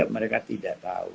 mereka tidak tahu